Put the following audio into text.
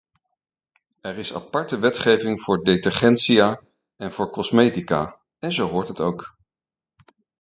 Er is aparte wetgeving voor detergentia en voor cosmetica, en zo hoort het ook.